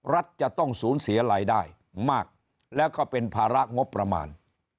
รัฐจะต้องสูญเสียรายได้มากแล้วก็เป็นภาระงบประมาณ